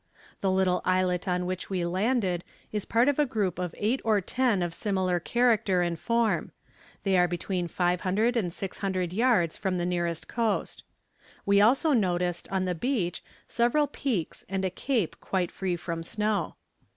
The little islet on which we landed is part of a group of eight or ten of similar character and form; they are between five hundred and six hundred yards from the nearest coast. We also noticed on the beach several peaks and a cape quite free from snow.